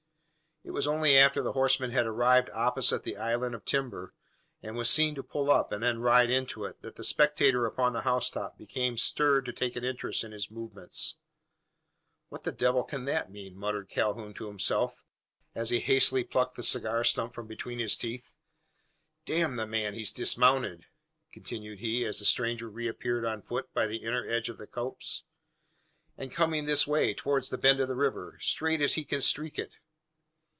It was only after the horseman had arrived opposite the island of timber, and was seen to pull up, and then ride into it, that the spectator upon the housetop became stirred to take an interest in his movements. "What the devil can that mean?" muttered Calhoun to himself, as he hastily plucked the cigar stump from between his teeth. "Damn the man, he's dismounted!" continued he, as the stranger re appeared, on foot, by the inner edge of the copse. "And coming this way towards the bend of the river straight as he can streak it!